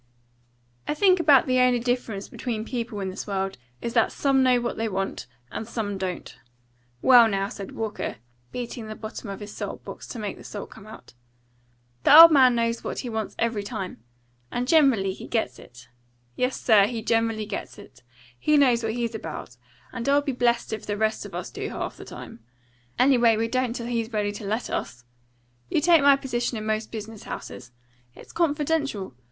"I think about the only difference between people in this world is that some know what they want, and some don't. Well, now," said Walker, beating the bottom of his salt box to make the salt come out, "the old man knows what he wants every time. And generally he gets it. Yes, sir, he generally gets it. He knows what he's about, but I'll be blessed if the rest of us do half the time. Anyway, we don't till he's ready to let us. You take my position in most business houses. It's confidential.